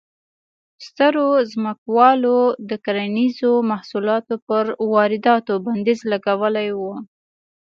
سترو ځمکوالو د کرنیزو محصولاتو پر وارداتو بندیز لګولی و.